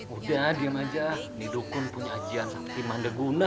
udah diem aja ini dukun punya ajian yang mana guna